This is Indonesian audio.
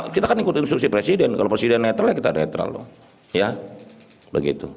kita kan ikut instruksi presiden kalau presiden netral ya kita netral